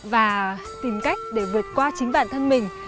và tìm cách để vượt qua chính bản thân mình